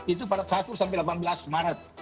itu pada satu sampai delapan belas maret